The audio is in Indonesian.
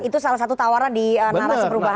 itu salah satu tawaran di naraseperubahan ya